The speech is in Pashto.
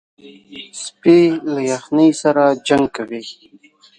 سپي له یخنۍ سره جنګ کوي.